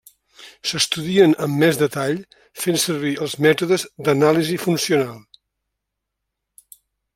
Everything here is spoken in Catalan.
S'estudien amb més detall fent servir els mètodes d'anàlisi funcional.